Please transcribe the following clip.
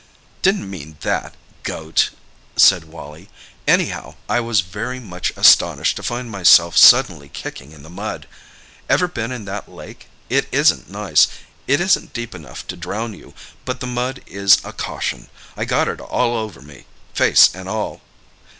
"Didn't mean that—goat!" said Wally. "Anyhow, I was very much astonished to find myself suddenly kicking in the mud. Ever been in that lake? It isn't nice. It isn't deep enough to drown you, but the mud is a caution. I got it all over me—face and all!"